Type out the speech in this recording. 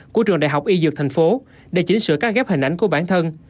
của trường đại học y dược tp hcm để chỉnh sửa các ghép hình ảnh của bản thân